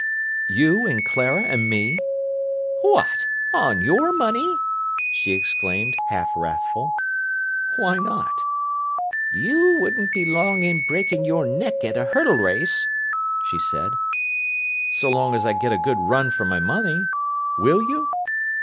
"You and Clara and me." "What, on your money!" she exclaimed, half wrathful. "Why not?" "You wouldn't be long in breaking your neck at a hurdle race!" she said. "So long as I get a good run for my money! Will you?"